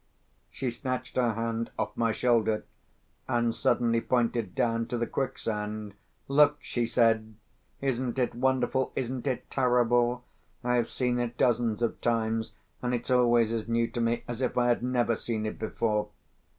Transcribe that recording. She snatched her hand off my shoulder, and suddenly pointed down to the quicksand. "Look!" she said "Isn't it wonderful? isn't it terrible? I have seen it dozens of times, and it's always as new to me as if I had never seen it before!"